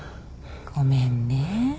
ごめんね。